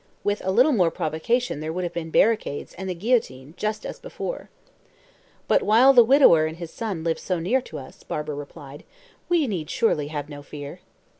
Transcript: With a little more provocation there would have been barricades and the guillotine just as before." "But while the widower and his son live so near us," Barbara replied, "we need surely have no fear."